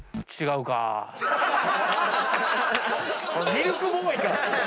ミルクボーイか！